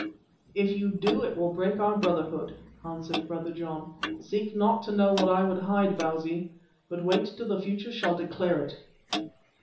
"If you do, it will break our brotherhood," answered Brother John. "Seek not to know what I would hide, Bausi, but wait till the future shall declare it."